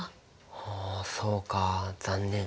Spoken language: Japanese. はあそうか残念。